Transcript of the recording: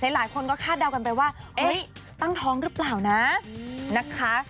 หลายคนก็คาดเดากันไปว่าตั้งท้องหรือเปล่านะนะคะ